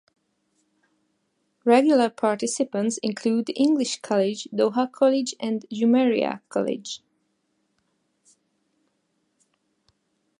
Regular participants include the English College, Doha College, and Jumeirah College.